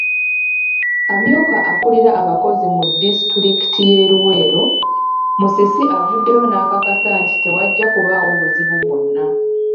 Amyuka akulira abakozi mu disitulikiti y'e Luweero, Musisi avuddeyo n'akakasa nti tewajja kubaawo buzibu bwonna.